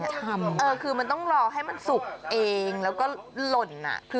คือมันต้องรอให้มันสุกเองแล้วก็หล่น